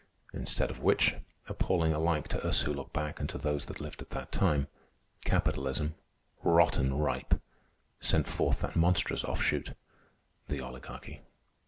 Instead of which, appalling alike to us who look back and to those that lived at the time, capitalism, rotten ripe, sent forth that monstrous offshoot, the Oligarchy.